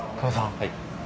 はい。